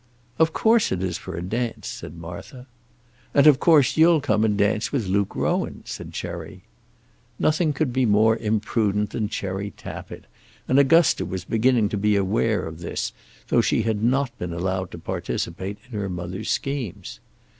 "Of course it is for a dance," said Martha. "And of course you'll come and dance with Luke Rowan," said Cherry. Nothing could be more imprudent than Cherry Tappitt, and Augusta was beginning to be aware of this, though she had not been allowed to participate in her mother's schemes.